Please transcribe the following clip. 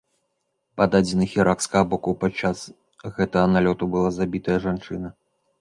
Па дадзеных іракскага боку, падчас гэтага налёту была забітая жанчына.